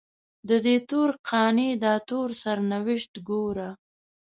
ددې تور قانع داتور سرنوشت ګوره